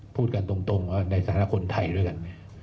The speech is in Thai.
พูดกันตรงในฐานะคนไทยด้วยกัน